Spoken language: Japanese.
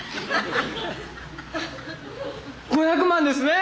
５００万ですね！